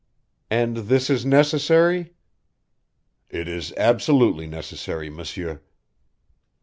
"And this is necessary?" "It is absolutely necessary, M'sieur."